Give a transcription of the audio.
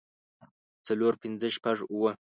څلور پنځۀ شپږ اووه